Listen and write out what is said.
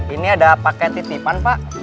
ini ada pakaian titipan pak